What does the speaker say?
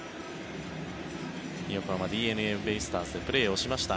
横浜ＤｅＮＡベイスターズでプレーをしました。